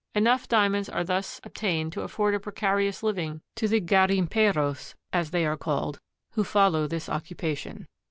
Enough Diamonds are thus obtained to afford a precarious living to the garimperos, as they are called, who follow this occupation.